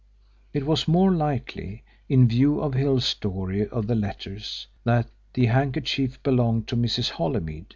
It was more likely, in view of Hill's story of the letters, that the handkerchief belonged to Mrs. Holymead.